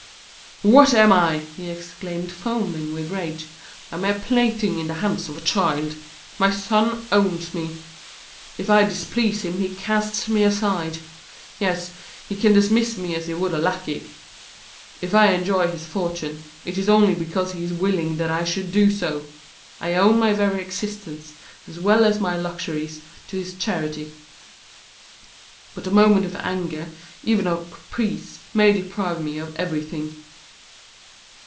"What am I?" he exclaimed, foaming with rage. "A mere plaything in the hands of a child. My son owns me. If I displease him, he casts me aside. Yes, he can dismiss me as he would a lackey. If I enjoy his fortune, it is only because he is willing that I should do so. I owe my very existence, as well as my luxuries, to his charity. But a moment of anger, even a caprice, may deprive me of everything."